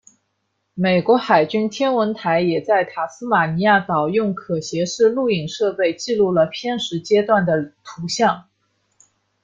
美国海军天文台也在塔斯马尼亚岛用可携式录影设备记录了偏食阶段的图像。